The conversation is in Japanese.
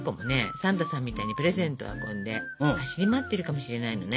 サンタさんみたいにプレゼントを運んで走り回ってるかもしれないのね。